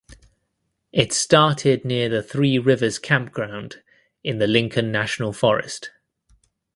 It started near the Three Rivers Campground in the Lincoln National Forest.